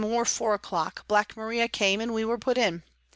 or 4 o'clock, Black Maria came and we were put in.